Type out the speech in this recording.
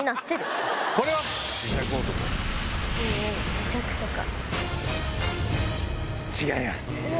磁石とか。